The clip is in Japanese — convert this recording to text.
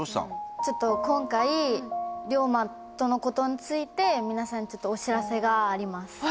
ちょっと今回諒真とのことについて皆さんにちょっとお知らせがあります